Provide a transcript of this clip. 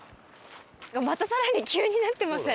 また、更に急になってません？